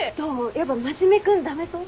やっぱ真面目君駄目そう？